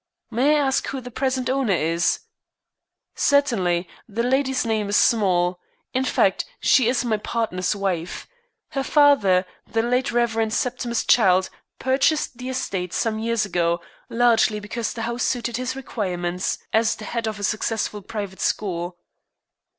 "May I ask who the present owner is?" "Certainly, the lady's name is Small. In fact, she is my partner's wife. Her father, the late Rev. Septimus Childe, purchased the estate some years ago, largely because the house suited his requirements as the head of a successful private school."